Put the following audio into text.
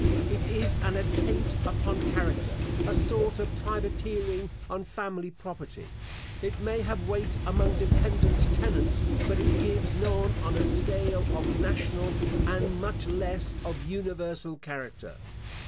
It is an attaint upon character; a sort of privateering on family property. It may have weight among dependent tenants, but it gives none on a scale of national, and much less of universal character.